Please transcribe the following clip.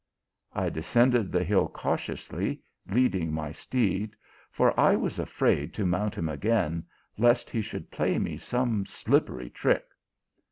I descended the hill cautiously, leading my steed, for I was afraid to mount him again, lest he should play me some slippery trick.